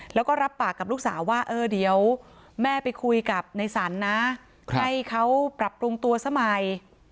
แล้วก็รับปากกับลูกสาวว่าเออเดี๋ยวแม่ไปคุยกับในสรรนะให้เขาปรับปรุงตัวซะใหม่